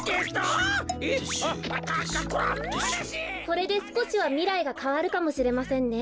これですこしはみらいがかわるかもしれませんね。